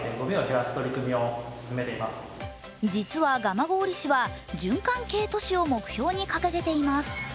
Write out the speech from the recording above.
実は蒲郡市は循環型都市を目標に掲げています。